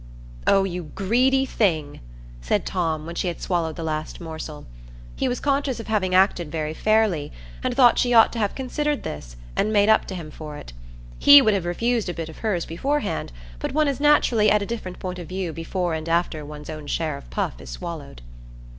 "Oh, you greedy thing!" said Tom, when she had swallowed the last morsel. He was conscious of having acted very fairly, and thought she ought to have considered this, and made up to him for it. He would have refused a bit of hers beforehand, but one is naturally at a different point of view before and after one's own share of puff is swallowed.